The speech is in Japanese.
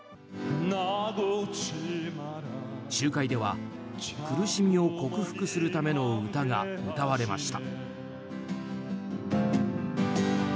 集会では苦しみを克服するための歌が歌われました。